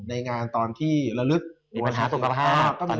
ในงานที่ดบเรือภาพ